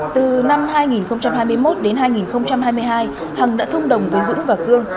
từ năm hai nghìn hai mươi một đến hai nghìn hai mươi hai hằng đã thông đồng với dũng và cương